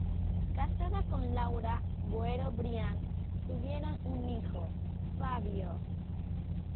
Casado con Laura Boero Brian, tuvieron un hijo, Fabio.